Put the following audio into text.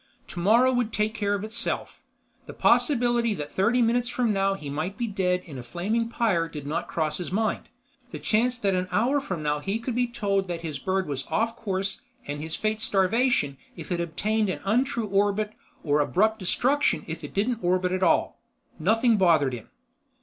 Tomorrow would take care of itself. The possibility that thirty minutes from now he might be dead in a flaming pyre did not cross his mind, the chance that an hour from now he could be told that his bird was off course and his fate starvation if it obtained an untrue orbit or abrupt destruction if it didn't orbit at all—nothing bothered him.